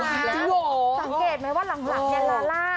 สังเกตไหมว่าหลังเนี่ยลาล่า